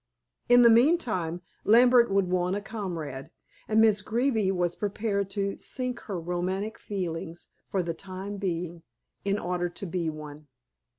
In the meantime, Lambert would want a comrade, and Miss Greeby was prepared to sink her romantic feelings, for the time being, in order to be one.